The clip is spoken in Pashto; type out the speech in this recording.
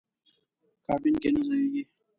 کابین کې نه ځایېږي.